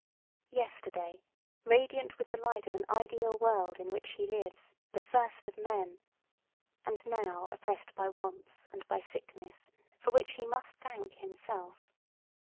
Yesterday, radiant with the light of an ideal world in which he lives, the first of men; and now oppressed by wants and by sickness, for which he must thank himself.